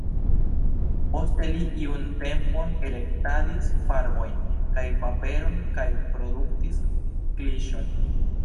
Poste li iun tempon elektadis farbojn kaj paperon kaj produktis kliŝon.